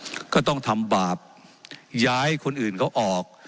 ว่าการกระทรวงบาทไทยนะครับ